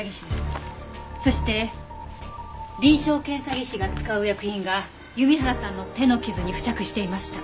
そして臨床検査技師が使う薬品が弓原さんの手の傷に付着していました。